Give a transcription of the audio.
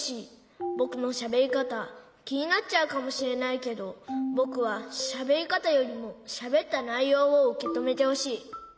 ぼくのしゃべりかたきになっちゃうかもしれないけどぼくはしゃべりかたよりもしゃべったないようをうけとめてほしい。